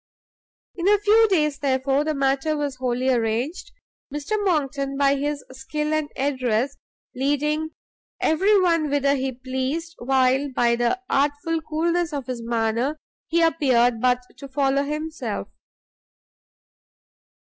In a few days, therefore, the matter was wholly arranged, Mr Monckton, by his skill and address, leading every one whither he pleased, while, by the artful coolness of his manner, he appeared but to follow himself.